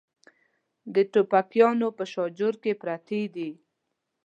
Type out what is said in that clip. د ټوپکیانو په شاجور کې پرتې دي.